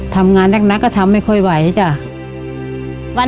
ทำงานนักก็ทำไม่ค่อยไหวจ้ะ